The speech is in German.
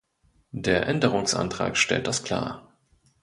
Der Änderungsantrag stellt das klar.